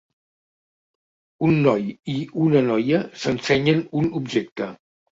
Un noi i una noia s'ensenyen un objecte.